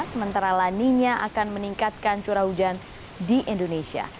sementara laninya akan meningkatkan curah hujan di indonesia